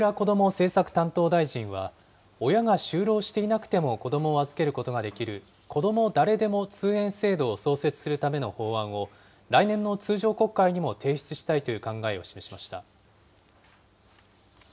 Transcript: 政策担当大臣は、親が就労していなくても子どもを預けることができる、こども誰でも通園制度を創設するための法案を、来年の通常国会にも提出したいという考えを示しました。